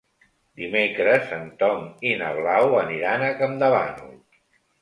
Dimecres en Tom i na Blau aniran a Campdevànol.